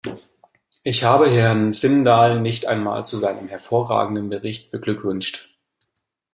Ich habe Herrn Sindal nicht einmal zu seinem hervorragenden Bericht beglückwünscht.